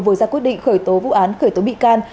vừa ra quyết định khởi tố vụ án khởi tố bị can